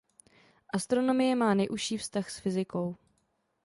Astronomie má nejužší vztah s fyzikou.